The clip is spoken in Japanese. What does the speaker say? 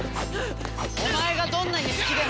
お前がどんなに好きでもな